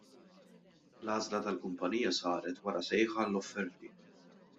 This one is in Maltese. L-għażla tal-kumpanija saret wara sejħa għall-offerti.